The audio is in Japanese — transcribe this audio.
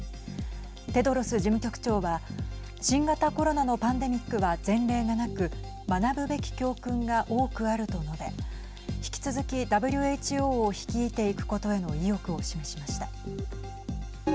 テドロス事務局長は新型コロナのパンデミックは前例がなく学ぶべき教訓が多くあると述べ引き続き、ＷＨＯを率いていくことへの意欲を示しました。